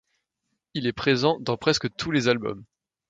Il est présent dans presque tous les albums.